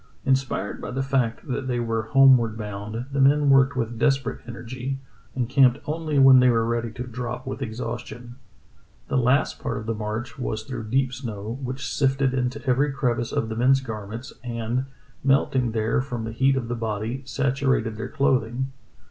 Inspired by the fact they that were homeward bound, the men worked with desperate energy, and camped only when they were ready to drop with exhaustion. The last part of the march was through deep snow, which sifted into every crevice of the men's garments, and, melting there from the heat of the body, saturated their clothing.